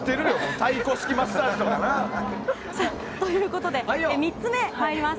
タイ古式マッサージとか。ということで３つ目に参ります。